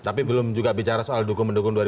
tapi belum juga bicara soal dukung mendukung